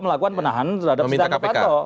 melakukan penahanan terhadap siti anufanto meminta kpk